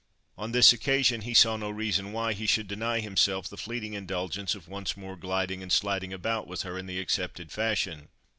On this occasion, he saw no reason why he should deny himself the fleeting indulgence of once more gliding and sliding about with her in the accepted fashion.